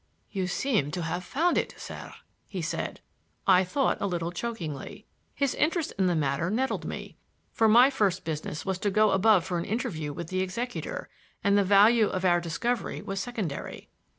"You seem to have found it, sir," he said,—I thought a little chokingly. His interest in the matter nettled me; for my first business was to go above for an interview with the executor, and the value of our discovery was secondary.